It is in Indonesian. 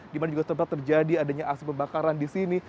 di mana juga sempat terjadi adanya asli pembakaran di sini